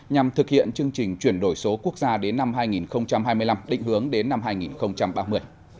nhằm thực hiện chương trình chuyển đổi số quốc gia đến năm hai nghìn hai mươi năm định hướng đến năm hai nghìn ba mươi